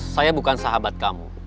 saya bukan sahabat kamu